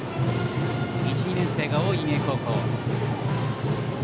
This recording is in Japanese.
１、２年生が多い三重高校。